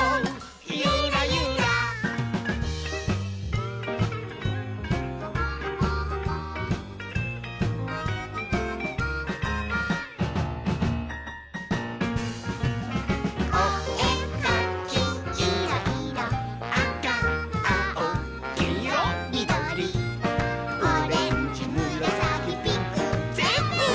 ゆらゆら」「おえかきいろ・いろ」「あかあおきいろみどり」「オレンジむらさきピンクぜんぶ！」